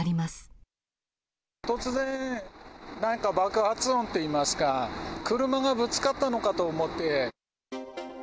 突然、なんか爆発音っていいますか、車がぶつかったのかと思って。